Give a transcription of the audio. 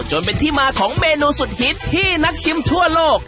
จนเป็นที่มาของเมนูสุดฮิตที่นักชิมทั่วโลก